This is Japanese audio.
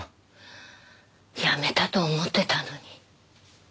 やめたと思ってたのに。